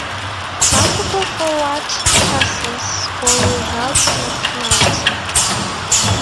Multiple forward passes will result in a penalty.